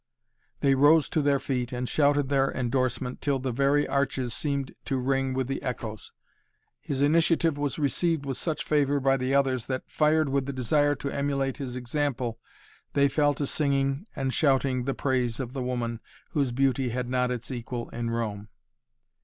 They rose to their feet and shouted their endorsement till the very arches seemed to ring with the echoes. His initiative was received with such favor by the others that, fired with the desire to emulate his example, they fell to singing and shouting the praise of the woman whose beauty had not its equal in Rome.